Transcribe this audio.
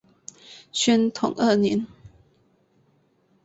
宣统二年。